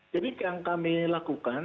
jadi yang kami lakukan